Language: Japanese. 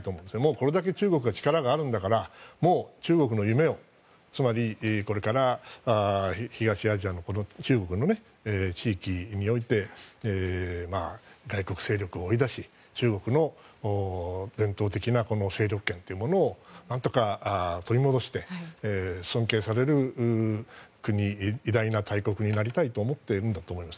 これだけ中国は力があるんだから中国の夢をつまり、これから中国は東アジアの地域において外国勢力を追い出し中国の伝統的な勢力圏というものを何とか取り戻して尊敬される国偉大な大国になりたいと思っているんだと思います。